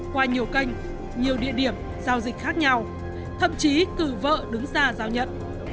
qua nhiều kênh nhiều địa điểm giao dịch khác nhau thậm chí cử vợ đứng ra giao nhận